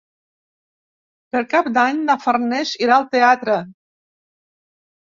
Per Cap d'Any na Farners irà al teatre.